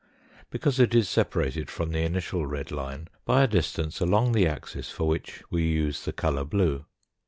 because it is separated from the initial red line by a distance along the axis for which we use the colour blue.